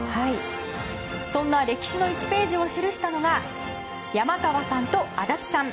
そんな歴史の１ページを記したのが山川さんと足立さん。